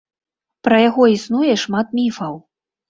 Пра яго існуе шмат міфаў.